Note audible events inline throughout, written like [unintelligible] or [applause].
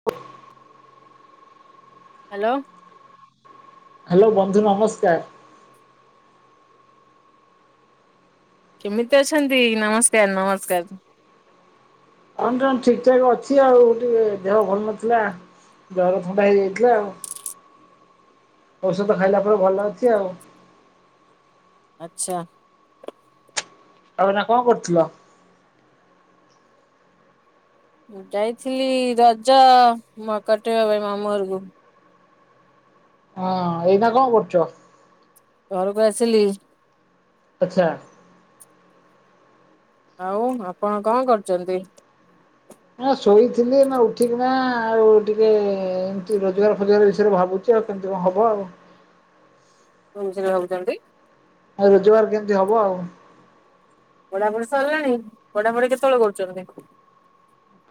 [inaudible] Hello. Hello ବନ୍ଧୁ ନମସ୍କାର। କେମିତି ଅଛନ୍ତି? ନମସ୍କାର ନମସ୍କାର। ହଁ ଡାଉନ୍ ଠିକ ଠାକ ଅଛି। ଆଉ ଟିକେ ଦେହ ଭଲ ନଥିଲା। ଜର ଥଣ୍ଡା ହେଇଯାଇଥିଲା ଆଉ। ଔଷଧ ଖାଇଲା ପରେ ଭଲ ଅଛି ଆଉ। ଆଚ୍ଛା। ଆଉ ଏଇନା କଣ କରୁଥିଲ? ମୁଁ ଯାଇଛି ରଜ ମ କଟେଇବା ପାଇଁ ମାମୁଁ ଘରକୁ ହଁ ଏଇନା କଣ କରୁଛ? ଘରକୁ ଆସିଲି। ଆଚ୍ଛା। ଆଉ ଆପଣ କଣ କରୁଛନ୍ତି? ହଁ ଶୋଇଥିଲି ନା ଉଠିକି ନା ଆଉ ଟିକେ ଏମତି ରୋଜଗାର ଫୋଜଗାର ବିଷୟରେ ଭାବୁଥିଲି। କେମିତି ହବ ଆଉ ଏମିତିରେ ଭାବୁଛନ୍ତି? ଆଉ ରୋଜଗାର କେମିତି ହବ ଆଉ? ପଢା ପଢି ସରିଲାଣି, ପଢା ପଢି କେତେବେଳେ କରୁଛ ତମେ?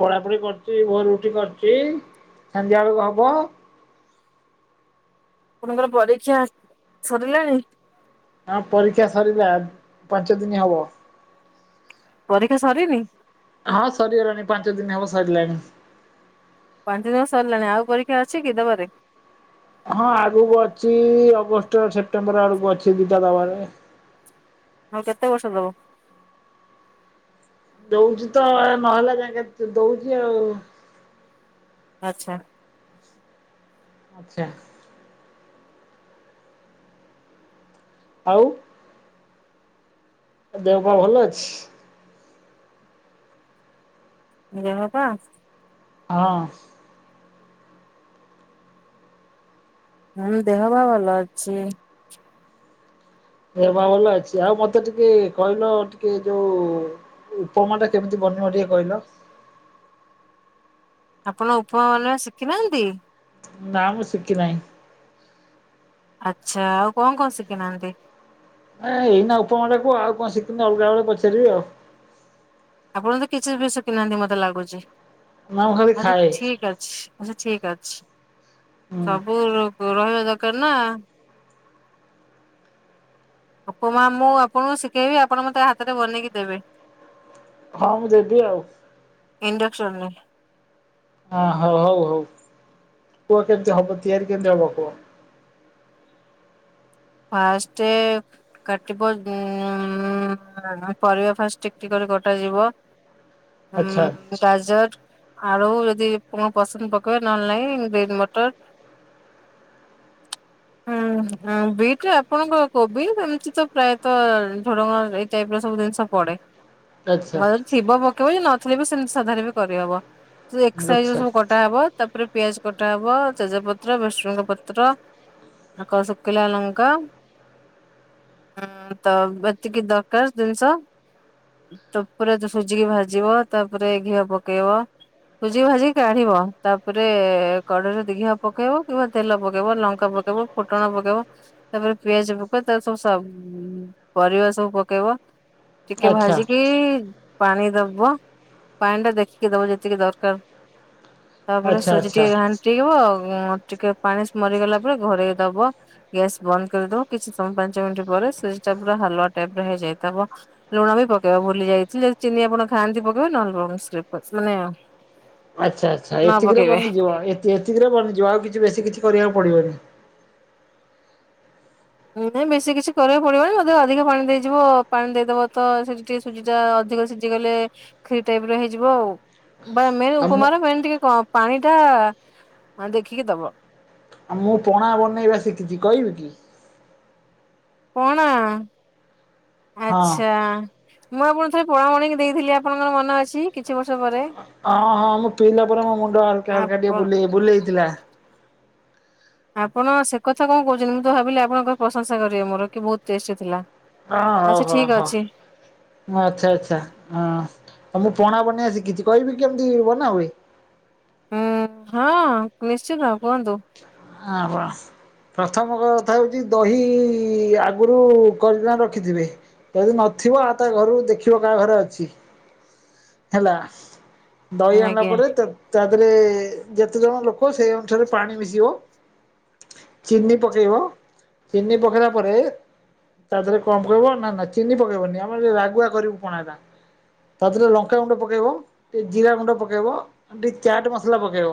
ପଢାପଢି କରୁଛି ଭୋରୁ ଉଠି କରିଛି ସାନ୍ଧ୍ୟା ବେଳକୁ ହବ। ଆପଣଙ୍କର ପରୀକ୍ଷା ସରିଲାଣି? ହଁ ପରୀକ୍ଷା ସରିଲା ପାଞ୍ଚ ଦିନି ହବ। ପରୀକ୍ଷା ସରିନି? ହଁ ସରିଗଲାଣି ପାଞ୍ଚ ଦିନି ହବ ସରିଗଲାଣି। ପାଞ୍ଚ ଦିନ ସରିଲାଣି ଆଉ ପରୀକ୍ଷା ଅଛି କି ଦବାରେ? ହଁ ଆଗକୁ ଅଛି ଅଗଷ୍ଟ ସେପ୍ଟେମ୍ବର ଆଡକୁ ଅଛି ଦିଟା ଦବାରେ ଆଉ କେତେ ବର୍ଷ ଦବ? ଦଉଛି ତ ନହେଲା ଯାକେ ଦଉଛି ଆଉ ଆଚ୍ଛା। ଆଚ୍ଛା। ଆଉ ଦେହ ପା ଭଲ ଅଛି? ଦେହ ପା ହଁ। ହୁଁ, ଦେହ ପା ଭଲ ଅଛି। ଦେହ ପା ଭଲ ଅଛି ଆଉ ମତେ ଟିକେ କହିଲ ଟିକେ ଯୋଉ ଉପମାଟା କେମିତି ବନିବ ଟିକେ କହିଲ? ଆପଣ ଉପମା ବନେଇବା ଶିଖିନାହାନ୍ତି? ନା, ମୁଁ ଶିଖି ନାହିଁ। ଆଚ୍ଛା, ଆଉ କଣ କଣ ଶିଖିନାହାନ୍ତି? ଏ ଏଇନା ଉପମାଟା କୁହ ଆଉ କଣ ଶିଖିନି ଅଲଗା ବେଳେ ପଚାରିବି ଆଉ ଆପଣ ତ କିଛି ବି ସିଖି ନାହାନ୍ତି ମତେ ଲାଗୁଛି। ନା ମୁଁ ଖାଲି ଆଛା ଖାଏ ଠିକ ଅଛି ଆଛା ଠିକ ଅଛି ହୁଁ ସବୁ [inaudible] ଦରକାର ନା। ଉପମା ମୁଁ ଆପଣଙ୍କୁ ଶିଖେଇବି ଆପଣ ମତେ ହାତରେ ବନେଇକି ଦେବେ। ହଁ, ମୁଁ ଦେବି ଆଉ ଇଣ୍ଡକ୍ସନରେ। ହ ହଉ ହଉ ହଉ କୁହ କେମତି ହବ ତିଆରି କେମିତି ହବ କୁହ? ଫାଷ୍ଟେ କାଟିବ ହୁଁ ହୁଁ ପରିବା ଫାଷ୍ଟ ଟିକ୍ ଟିକ୍ କରି କଟାଯିବ। ଉଁ ଆଚ୍ଛା। ଗାଜର ଆଳୁ ଯଦି କଣ ପସନ୍ଦ ପକେଇବେ ନହେଲେ ନାଇଁ ଗ୍ରୀନ୍ ମଟର [unintelligible] ହୁଁ ହ ବି। ଆପଣଙ୍କ କୋବି ଏମିତି ପ୍ରାୟତ ଝୁଡଙ୍ଗ ଏଇ ଟାଇପର ସବୁ ଜିନିଷ ପଡେ। ଆଚ୍ଛା ଥିବ ପକେଇବ ଯଦି ନଥିଲେ ବି ସେମିତି ସାଧାରେ ବି କରିହବ ଏକ ସାଇଜର ଆଚ୍ଛା। ସବୁ କ କଟା ହବ ତାପରେ ପିଆଜ କଟା ହବ ତେଜ ପତ୍ର ଭ୍ରୁସଙ୍ଗ ପତ୍ର ତା ଆଗ ସୁଖିଲା ଲଙ୍କା ହୁଁ ତ ଏତିକି ଦରକାର ଜିନିଷ। ତାପରେ ତ ସୁଜିକି ଭାଜିବ। ତାପରେ ଘିଅ ପକେଇବ। ସୁଜି ଭାଜି କାଢିବ। ତାପରେ କଡେଇରେ ଘିଅ ପକେଇବ କିମ୍ବା ତେଲ ପକେଇବ ଲଙ୍କା ପକେଇବ। ଫୁଟଣ ପକେଇବ। ତାପରେ ପିଆଜ ପକେଇବ। ତା ସବୁ ସ ଉମ୍ ପରିବା ସବୁ ପକେଇବ। ଟିକେ ଆଚ୍ଛା ଭାଜିକି ପାଣି ଦବ। ପାଣି ଟା ଦେଖିକି ଦବ ଯେତିକି ଦରକାର। ତାପରେ ଆଚ୍ଛା ସୁଜି ଆଚ୍ଛା। ଟିକେ ଘାଣ୍ଟ ଫୁଟେଇବ ଆଉ କଣ? ଟିକେ ପାଣି ମରିଗଲା ପରେ ଘୋରେଇ ଦବ। ଗ୍ୟାସ୍ ବନ୍ଦ କରିଦବ। କିଛି ସମୟ ପାଞ୍ଚ ମିନିଟ ପରେ ସୁଜି ଟା ପୁରା ହାଲୁଆ ଟାଇପ୍ ର ହେଇଯାଇଥବ। ଲୁଣ ବି ପକେଇବ। ଭୁଲି ଯାଇଥିଲି ଚିନି ଆପଣ ଖାଆନ୍ତି ପକେଇବେ ନହେଲେ ରଂ ସ୍କିପ୍ କର ମାନେ ଆଚ୍ଛା ଆଚ୍ଛା ନ ଏତିକିରେ ପକେଇବେ। ବନିଯିବ। ଏତିକିରେ ବନିଯିବ। ଆଉ କିଛି ବେଶୀ କିଛି କରିବାକୁ ପଡିବନି? ନାଇଁ ନାଇଁ ବେଶୀ କିଛି କରିବାକୁ ପଡିବନି। ଯଦି ଅଧିକ ପାଣି ଦେଇଯିବ ପାଣି ଦେଇଦବ ତ ସେଠି ଟିକେ ସୁଜି ଟା ଅଧିକ ସିଝି ଗଲେ ଖିରୀ ଟାଇପ୍ ର ହେଇଯିବ ଆଉ। ବା ମେନ୍ ଆଉ ମୁଁ ଉପମା ର ମେନ୍ ଟିକେ ପାଣି ଟା ଦେଖିକି ଦବ। ମୁଁ ପଣା ବନେଇବା ଶିଖିଚି କହିବି କି? ପଣା ହଁ ଆଚ୍ଛା। ମୁଁ ଆପଣଙ୍କୁ ଥରେ ପଣା ବନେଇକି ଦେଇଥିଲି ଆପଣଙ୍କର ମନ ଅଛି କିଛି ବର୍ଷ ପରେ? ଅଁ ହଁ ମୁଁ ପିଇଲା ପରେ ମୋ ମୁଣ୍ଡ ହାଲକା ହାଲକା ଟିକେ ଆପଣ ବୁଲେଇ ବୁଲେଇଥିଲା। ଆପଣ ସେ କଥା କଣ କହୁଚନ୍ତି? ମୁଁ ତ ଭାବିଲି ଆପଣଙ୍କ ପ୍ରଶଂସା କରିବେ ମୋର କି ବହୁତ ଟେଷ୍ଟି ଥିଲା। ଆ ହଉ ଆଚ୍ଛା ହଁ ଠିକ ହଁ। ଅଛି ଆଚ୍ଛା ଆଚ୍ଛା ହଁ ତ ମୁଁ ପଣା ବନେଇଆ ଶିଖିଚି କହିବି କେମିତି ବନା ହୁଏ। ହୁଁ ହଁ ନିଶ୍ଚନ୍ତ କୁହନ୍ତୁ। [unintelligible] ପ୍ରଥମ କଥା ହଉଚି ଦହି ଆଗରୁ କରିକିନା ରଖିଥିବେ। ଯଦି ନଥିବ ଆ ତା ଘରୁ ଦେଖିବ କାହା ଘରେ ଅଛି ହେଲା। ଦହି ଆଣିଲା ଆଜ୍ଞା। ପରେ ତା ତାଦେରେ ଯେତେ ଜଣ ଲୋକ ସେଇ ଅନୁସାରେ ପାଣି ମିଶିବ। ଚିନି ପକେଇବ। ଚିନି ପକେଇଲା ପରେ ତା ଦେହରେ କଣ ପକେଇବ ନା ନା ଚିନି ପକେଇବନି। ଆମର ଯୋଉ ରାଗୁଆ କରିବୁ ପଣା ଟା। ତା ଦେହରେ ଲଙ୍କାଗୁଣ୍ଡ ପକେଇବ। ଟିକେ ଜିରା ଗୁଣ୍ଡ ପକେଇବ। ଟିକେ ଚାଟ୍ ମସଲା ପକେଇବ।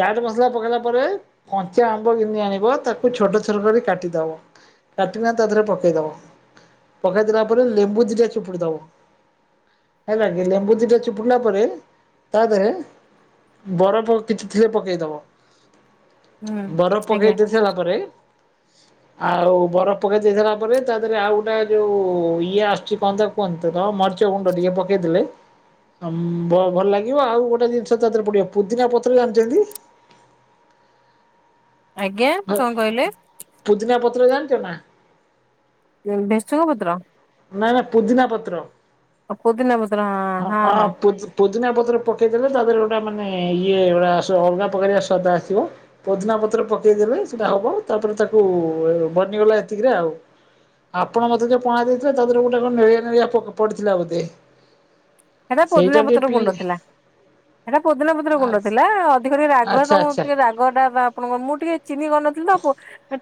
ଚାଟ୍ ମସଲା ପକେଇଲା ପରେ କଞ୍ଚା ଆମ୍ବ ଘିନି ଆଣିବ। ତାକୁ ଛୋଟ ଛୋଟ କରି କାଟିଦବ। କାଟିକିନା ତା ଦେରେ ପକେଇ ଦବ। ପକେଇ ଦେଲା ପରେ ଲେମ୍ବୁ ଦିଟା ଚୁପୁଡି ଦବ। ହେଲା କି ଲେମ୍ବୁ ଦିଟା ଚୁପୁଡିଲା ପରେ ତା ଦେହରେ ବରଫ କିଛି ଥିଲେ ପକେଇଦବ। ହୁଁ ବରଫ ପକେଇ ଆଜ୍ଞା ଦେଇ ସାରିଲାପରେ ଆଉ ବରଫ ପକେଇ ଦେଇ ସାରିଲା ପରେ ତା ଦେହରେ ଆଉ ଗୋଟେ ଯୋଉ ଇଏ ଆସୁଚି ପନ୍ଦର ପନ୍ତର ମରିଚ ଗୁଣ୍ଡ ଟିକେ ପକେଇଦେଲେ ଆମ୍ବ ଭଲ ଲାଗିବ। ଆଉ ଗୋଟେ ଜିନିଷ ତା ଦେହରେ ପଡିବ ପୁଦିନା ପତ୍ର ଜାଣିଚନ୍ତି। ଆଜ୍ଞା କଣ କହିଲେ? ପୁଦିନା ପତ୍ର ଜାଣିଚ ନା? ଭେସୁଙ୍ଗା ପତ୍ର? ନା ନା ପୁଦିନା ପତ୍ର। ଅ ପୁଦିନା ପତ୍ର ହଁ ହଁ ହଁ। ପୋଦିନା ପତ୍ର ପକେଇଦେଲେ ତା ଦେହରେ ଗୋଟେ ମାନେ ଇଏ ଗୋଟା ଆସିବ ଅଲଗା ପକାରିଆ ସ୍ୱାଦ ଆସିବ। ପୋଦିନା ପତ୍ର ପକେଇଦେଲେ ସେଟା ହବ ତାପରେ ତାକୁ ବନିଗଲା ଏତିକିରେ ଆଉ। ଆପଣ ମତେ ଯୋଉ ପଣା ଦେଇଥିଲେ ତା ଦେହରେ ଗୋଟେ କଣ ନେଳିଆ ନେଳିଆ ପୋକ ପଡିଥିଲା ବୋଧେ। ହେଟା ସେଇଟା ପୋଦିନା ଟିକେ ପତ୍ର ପି ଗୁଣ୍ଡ ଥିଲା। ହେଟା ପୁଦିନା ପତ୍ର ଗୁଣ୍ଡ ଥିଲା ଅଧିକ ଟିକେ ରାଗୁଆ ଆଚ୍ଛା ତମୁକୁ ଆଚ୍ଛା ଟିକେ ରା ଗଟା ବା ଆପଣଙ୍କର ମୁଁ ଟିକେ ଚିନି କରିନଥିଲି ତ ପୁଅ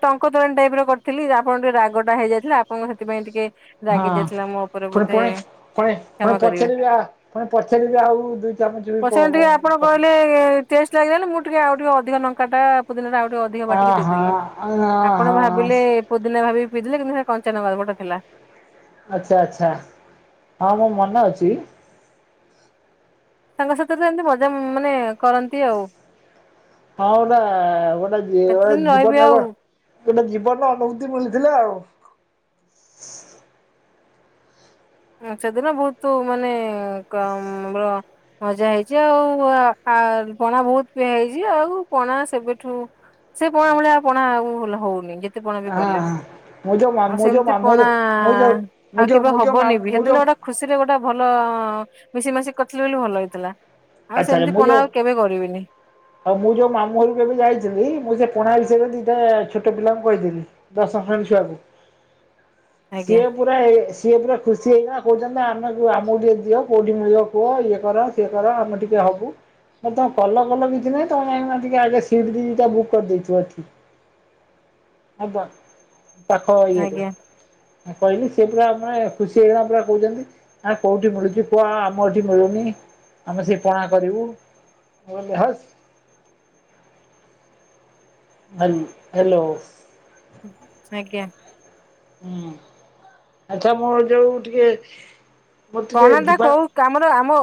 ଟଙ୍କ୍ ଙ୍କ ତୋରାଣି ଟାଇପ୍ ର କରିଥିଲି। ଆପଣଙ୍କ ଟିକେ ରାଗ ଟା ହେଇଯାଇଥିଲା ଆପଣଙ୍କ ହେଥିପାଇଁ ଟିକେ ହଁ ରାଗି ଯାଇଥିଲା ମୋ ଉପରେ ପୁଣି ବୋଧେ ପୁଣି ପୁଣି ପୁଣି କ୍ଷମା କରିବେ ପଚାରିଲ ଆ ପୁଣି ପଚାରିବି ଆଉ ଦୁଇ ଚାମଚ ବି ପସନାଲି ଟିକେ ଆପଣ କହିଲେ ଟେଷ୍ଟ ଲାଗିଲାନି ମୁଁ ଟିକେ ଆଉ ଟିକେ ଅଧିକା ନଙ୍କା ଟା ମୋତେ ଲାଗିଲା ଆଉ ଟିକେ ଅଧିକ ଅ ବାଟିକି ହଁ ଦେଇଦେଲି ଆପଣ ହଁ ଭାବିଲେ ପୋଦିନା ଭାବିକି ପିଦେଲେ କିନ୍ତୁ ହେରା କଞ୍ଚାନଙ୍କା ଗୁଡା ଥିଲା। ଆଛା ଆଛା ହଁ ମୋ ମନେ ଅଛି। ତାଙ୍କ ସାଥିରେ ଏମିତି ମଜା ମାନେ କରନ୍ତି ଆଉ। ହଁ ଗୋଟା ଗୋଟେ ଜି କେତେ ଦିନ ରହିବି ଜୀବନରେ ଆଉ। କଣ ଗୋଟେ ଜୀବନର ଅନୁଭୂତି ମିଳିଥିଲା ଆଉ। ସେଦିନ ବହୁତ ମାନେ କ ମ ର ମଜା ହେଇଛି ଆଉ ଆ ପଣା ବହୁତ ପିଆ ହେଇଛି ଆଉ ପଣା ସେବେଠୁ ସେ ପଣା ଭଳିଆ ପଣା ଆଉ ହଉନି ଯେତେ ପଣା ବି ହଁ କଲେ। ମୁଁ ଯୋଉ ଆଉ ମୁଁ ଯୋଉ ସେମିତି ମାମୁଁ ପଣା ମୁଁ ଯୋଉ ମୁଁ ଆଉ ଯୋଉ କେବେ ମୁଁ ଯୋଉ ହବନି ବି ମୁଁ ସେଦିନ ଯୋଉ ଗୋଟେ ଖୁସିରେ ଗୋଟେ ଭଲ ମିଶି ମାଶିକି କରିଥିଲେ ବୋଲି ଭଲ ଲାଗିଥିଲା। ଆଛା ମୁଁ ଯୋଉ ଆଉ ମୁଁ ଯୋଉ ମାମୁଁ ଘରକୁ ଏବେ ଯାଇଥିଲି ମୁଁ ସେ ପଣା ବିଷୟରେ ଦିଟା ଛୋଟ ପିଲାଙ୍କୁ କହିଥିଲି। ଦଶମ ଶ୍ରେଣୀ ଛୁଆକୁ ଆଜ୍ଞା ସିଏ ପୁରା ସିଏ ପୁରା ଖୁସି ହେଇକିନା କହୁଛନ୍ତି ଆମେ ଆମକୁ ଟିକେ ଦିଅ କୋଉଠି ମି କୁହ ଇଏ କର ସିଏ କର ଆମେ ଟିକେ ହବୁ ତମ କଲ କଲ କିଛି ନାଇଁ ତମେ ଯାଇ ଆମ ପାଇଁ ସିଟ ଦି ଟା ବୁକ୍ କରିଦେଇଥିବ ଏଠି। ହବ ପାଖ [inaudible] ଆଜ୍ଞା ମୁଁ କହିଲି ସେ ପୁରା ମାନେ ଖୁସି ହେଇକିଁ ପୁରା କହୁଛନ୍ତି ଆ କୋଉଠି ମିଳୁଛି ପୁଅ ଆମର ଏଠି ମିଳୁନି ଆମେ ସେଠି ପଣା କରିବୁ ମୁଁ କହିଲି ହସ୍ ହାଲୋ ଆଜ୍ଞା ହୁଁ ଆଚ୍ଛା ମୋର ଯୋଉ ଟିକେ ମୋର ଟିକେ ପଣା ଟା ଯିବା କୋଉ ଆମର ଆମ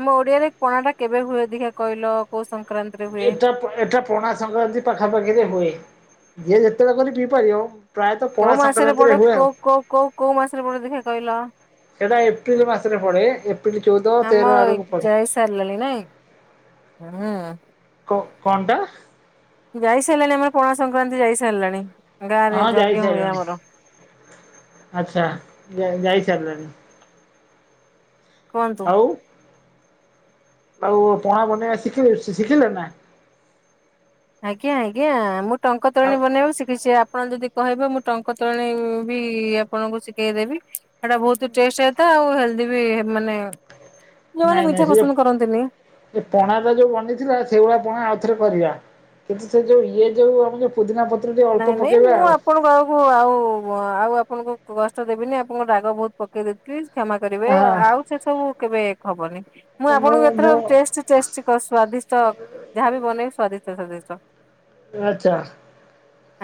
ଆମ ଓଡିଆରେ ପଣା ଟା କେବେ ହୁଏ ଦଖିଆ କହିଲ? କୋଉ ସଂକ୍ରାନ୍ତି? ଏଟ ଏଟା [inaudible] ପଣା ସଂକ୍ରାନ୍ତି ପାଖାପାଖିରେ ହୁଏ ଯିଏ ଯେତେବେଳେ କରି ପିଇପାରିବ ମ। କୋଉ ମାସରେ ପଡେ କୋ କୋ କୋ କୋଉ ମାସରେ ପଡେ ଦେଖିବା କହିଲ? ସେଇଟା ଏପ୍ରିଲ ମାସରେ ପଡେ ଏପ୍ରିଲ ଚଉଦ ତେର ଆଡକୁ ପେଡେ। ଜୟ ସାରିଲନି ନାଇଁ ହୁଁ [inaudible] କଣ ଟା ଯାଇସାରିଲାଣି ଆମର ପଣା ସଂକ୍ରାନ୍ତି ଯାଇସାରିଲାଣି ଗାଁ ରେ ହଁ ଯାଇ ଯଜ୍ଞ ହୁଏ ସାରିଲାଣି ଆମର। ଆଚ୍ଛା ଯାଇ ସାରିଲାଣି। କୁହନ୍ତୁ। ଆଉ ଆଉ ପଣା ବନେଇବା ଶିଖିଲେ ଶିଖିଲେ ନା। ଆଜ୍ଞା ଆଜ୍ଞା ମୁଁ ଟଙ୍କ ତୋରାଣୀ ଆଉ ବନେଇବା ଶିଖିଛି ଆପଣ ଯଦି କହିବ ମୁଁ ଟଙ୍କ ତୋରାଣୀ ବି ଆପଣଙ୍କୁ ଶିଖେଇଦେବି। ସେଇଟା ବହୁତ ଟେଷ୍ଟ ହେଇଥାଏ ଆଉ ହେଲ୍ଦି ବି ମାନେ ଯୋଉମାନେ ନାଇଁ ମିଠା ନାଇଁ ସେ ପସନ୍ଦ ତ କରନ୍ତିନି ସେ ପଣା ଟା ଯୋଉ ବନେଇଥିଲ ସେଇଭଳିଆ ପଣା ଆଉଥରେ କରିବା। କିନ୍ତୁ ସେ ଯୋଉ ଇଏ ଯୋଉ ଆମ ଯୋଉ ପୋଦିନା ପ ନାଇଁ ନାଇଁ ମୁଁ ଆପଣଙ୍କୁ ଆଉ କହ ଆଉ ଆଉ ଆପଣଙ୍କୁ କଷ୍ଟ ଦେବିନି ଆପଣଙ୍କ ରାଗ ବହୁତ ପକେଇଦେବି। ପ୍ଲିଜ଼ କ୍ଷମା କରିବେ ହଁ ଆଉ ସେ ସବୁ କେବେ ହବନି ମୁଁ ଆପଣଙ୍କୁ ଏଥର ଟେଷ୍ଟ ଟେଷ୍ଟ ସ୍ଵାଦିଷ୍ଟ ଯାହାବି ବନେଇବି ସ୍ଵାଦିଷ୍ଟ ସ୍ଵାଦିଷ୍ଟ। ଆଚ୍ଛା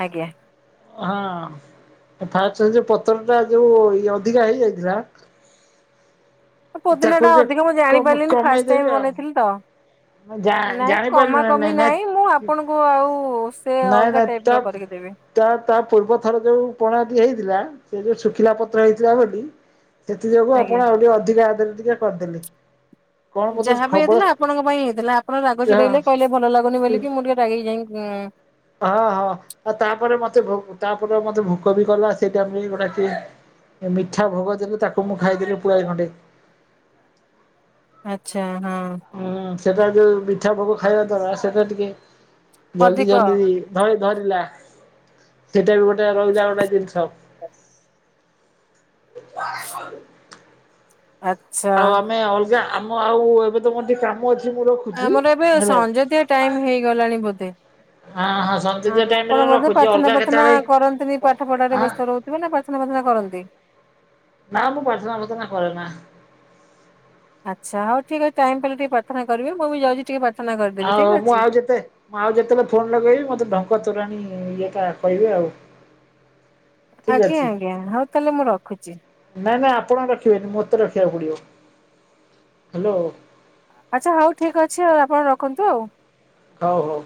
ଆଜ୍ଞା ହଁ ଫାଷ୍ଟ ଯୋଉ ପତ୍ର ଟା ଯୋଉ ଇ ଅଧିକା ହେଇଯାଇଥିଲା ପୋଦିନା ତାକୁ ଟା ଟିକେ ଅଧିକ ମୁଁ ଜାଣି କମ ପାରିଲିନି ଫାଷ୍ଟ କମେଇଦେବି ଟାଇମ ଆଉ ବନେଇଥିଲି ତ ଜା ନାଇଁ ଜାଣିପାରିଲୁ କମା ନା କମି ନାଇଁ ମୁଁ ଆ ଆପଣଙ୍କୁ ଆଉ ସେ ନାଇଁ ଅଲଗା ନାଇଁ ତା ଟାଇପର କରିକି ଦେବି। ତା ତା ପୂର୍ବ ଥର ଯୋଉ ପଣାଟି ହେଇଥିଲା ସେ ଯୋଉ ଶୁଖିଲା ପତ୍ର ହେଇଥିଲା ବୋଲି ସେଥି ଯୋଗୁ ଆଜ୍ଞା। ଆପଣ ଆଉ ଟିକେ ଅଧିକା ଦେଲେ ଟିକେ କରିଦେଲି। ଯାହା ବିି ହେଇଥିଲା ଆପଣଙ୍କ ପାଇଁ ହେଇଥିଲା ଆପଣ ରାଗ ଛିଡେଇଲେ କହିଲେ ଭଲ ଲାଗୁନି ବୋଲିି ମୁଁ ଟିକେ ରାଗିକି ଯାଇକି ହଁ ହଁ ଆଉ ତାପରେ ମତେ ତାପରେ ମତେ ଭୋକ ବି କଲା ସେଇଟା ଗୋଟା କି ମିଠା ଭୋଗ ଦେଲେ ତାକୁ ମୁଁ ଖାଇଦେଲି ପୁଳାଏ ଖଣ୍ଟେ। ଆଚ୍ଛା ହଁ। ହୁଁ ସେଟା ଯୋଉ ମିଠା ପୋକ ଖାଇବା ଦ୍ୱାରା ସେଟା ଟିକେ ଜଲଦି ଅଧିକ ଜଲଦି ଧଇ ଧରିଲା ସେଟା ବି ଗୋଟେ ରହିଲା ଗଣ୍ଡା ଜିନିଷ। ଭ ଆ ଆଉ ଆମେ ଅଲଗା ଆମ ଆଉ ଏବେ ତ ମୋର ଟିକେ କାମ ଅଛି ମୋର ଆମର ଏବେ ସଞ୍ଜ ଦିଆ ଟାଇମ ହେଇଗଲାଣି ବୋଧେ ହଁ ହଁ ସଞ୍ଜୟ ଟାଇମରେ ଆପଣ ବେ ରଖୁଛି ପ୍ରାର୍ଥନା ଅଲଗା ପ୍ରାର୍ଥନା କେତେବେଳେ କରନ୍ତିନି ପାଠ ପଢାରେ ଆଁ ବ୍ୟସ୍ତ ରହୁ ଥିବେ ସେମାନେ ପ୍ରାର୍ଥନା ପ୍ରାର୍ଥନା କରନ୍ତି। ନା ମୁଁ ପାର୍ଥନା ପଥନା କରେନା। ଆଚ୍ଛା ହଉ ଠିକ ଅଛି ଟାଇମ ପାଇଲେ ଟିକେ ପ୍ରାର୍ଥନା କରିବି ମୁଁ ବି ଯାଉଛି ଟିକେ ପ୍ରାର୍ଥନା କରିଦବି ଆଉ ଠିକ ମୁଁ ଅଛି। ଆଉ ଯେତେ ମୁଁ ଆଉ ଯେତେବେଳେ ଫୋନ ଲଗେଇବି କହିବି ମତେ ଢଙ୍କ ତୋରାଣୀ ଇଏଟା କହିବେ ଆଉ। ଠିକ୍ ଆଜ୍ଞା ଅଛି ଆଜ୍ଞା ହଉ ତାହେଲେ ମୁଁ ରଖୁଛି। ନାଇଁ ନାଇଁ ଆପଣ ରଖିବେନି ମତେ ରଖିବାକୁ ପଡିବ ହାଲୋ ଆଚ୍ଛା ହଉ ଠିକ ଅଛି ଆଉ ଆପଣ ରଖନ୍ତୁ ଆଉ। ହଉ ହଉ।